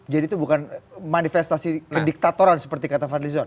jadi itu bukan manifestasi diktatoran seperti kata van lizon